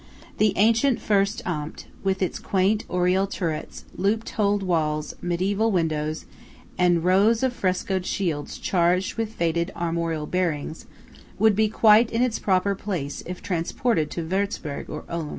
The ancient Fürst Amt, with its quaint oriel turrets, loop holed walls, mediæval windows, PRIMIERO. and rows of frescoed shields charged with faded armorial bearings, would be quite in its proper place if transported to Würtzburg or Ulm.